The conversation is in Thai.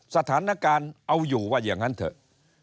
สถานการณ์เอาอยู่ว่าอย่างนั้นเถอะ